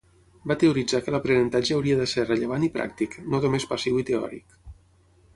Va teoritzar que l'aprenentatge hauria de ser rellevant i pràctic, no només passiu i teòric.